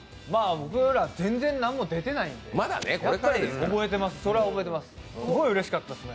僕ら、全然まだ出てないんで覚えてます。